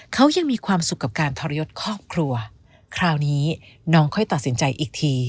เขายังมีความสุขกับการทรยศครอบครัวคราวนี้น้องค่อยตัดสินใจอีกที